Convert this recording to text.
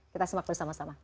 kita semak bersama sama